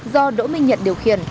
do đỗ minh nhận điều khiển